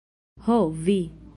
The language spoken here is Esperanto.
Ho, vi!